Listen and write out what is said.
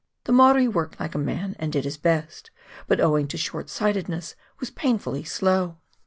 The Maori worked like a man and did his best, but owing to short sightedness was painfully slow.